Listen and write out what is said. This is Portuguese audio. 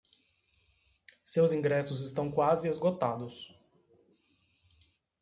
Seus ingressos estão quase esgotados.